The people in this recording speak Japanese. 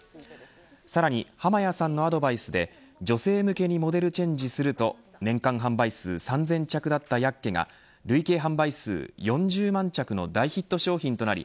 さらに濱屋さんのアドバイスで女性向けにモデルチェンジすると年間販売数３０００着だったヤッケが累計販売数４０万着の大ヒット商品となり＃